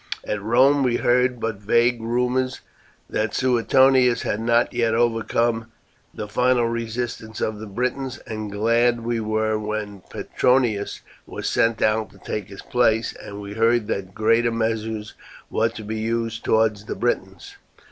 At Rome we heard but vague rumours that Suetonius had not yet overcome the final resistance of the Britons, and glad we were when Petronius was sent out to take his place, and we heard that gentler measures were to be used towards the Britons.